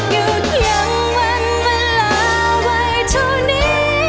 อยากหยุดยังวันเวลาไว้เท่านี้